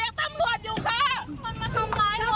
เนี่ยเดี๋ยวเรียกตำรวจอยู่ค่ะ